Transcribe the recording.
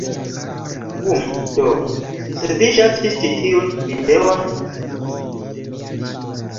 Um... do, se vi ŝatis ĉi tiun... videon?